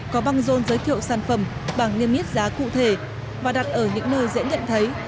có băng rôn giới thiệu sản phẩm bằng niêm yết giá cụ thể và đặt ở những nơi dễ nhận thấy